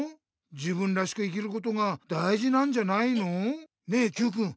自分らしく生きることがだいじなんじゃないの？ねえＱくん